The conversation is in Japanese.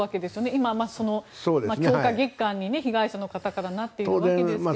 今、強化月間に被害者の方からなっているわけですが。